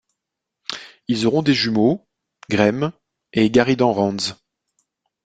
Ils auront des jumeau, Graym & Garridan Ranzz.